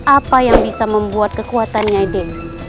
apa yang bisa membuat kekuatannya ide